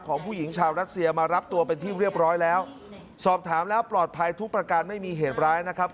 ของผู้หญิงชาวรัสเซียมารับตัวเป็นที่เรียบร้อยแล้วสอบถามแล้วปลอดภัยทุกประการไม่มีเหตุร้ายนะครับ